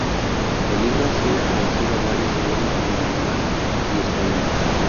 El libro ha sido traducido a varios idiomas como alemán y español.